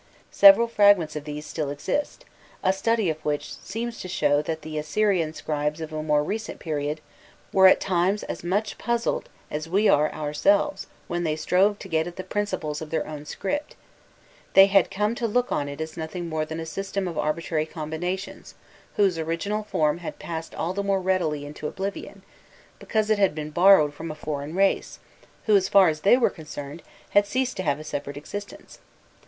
Several fragments of these still exist, a study of which seems to show that the Assyrian scribes of a more recent period were at times as much puzzled as we are ourselves when they strove to get at the principles of their own script: they had come to look on it as nothing more than a system of arbitrary combinations, whose original form had passed all the more readily into oblivion, because it had been borrowed from a foreign race, who, as far as they were concerned, had ceased to have a separate existence.